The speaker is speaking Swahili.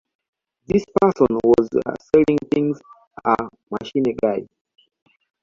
This person who are selling things are maching guy